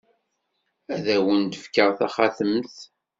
Ad awen-d-fkeɣ taxatemt.